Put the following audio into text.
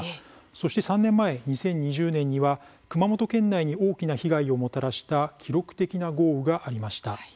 そして３年前２０２０年には熊本県内に大きな被害をもたらした記録的な豪雨がありました。